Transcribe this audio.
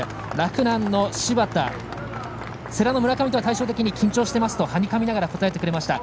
洛南の柴田は世羅の村上とは対照的に緊張していますとはにかみながら答えてくれました。